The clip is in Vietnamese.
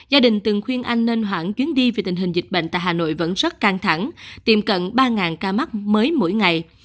gia đình từng khuyên anh nên hoãn chuyến đi vì tình hình dịch bệnh tại hà nội vẫn rất căng thẳng tiềm cận ba ca mắc mới mỗi ngày